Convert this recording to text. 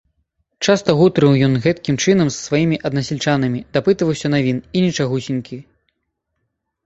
Часта гутарыў ён гэткім чынам з сваімі аднасяльчанамі, дапытваўся навін, і нічагусенькі.